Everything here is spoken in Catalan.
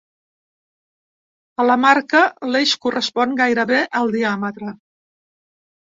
A la marca, l'eix correspon gairebé al diàmetre.